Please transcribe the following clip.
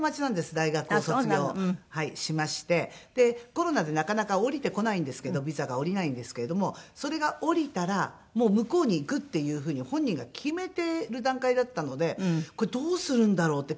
コロナでなかなか下りてこないんですけどビザが下りないんですけれどもそれが下りたらもう向こうに行くっていう風に本人が決めてる段階だったのでこれどうするんだろうって。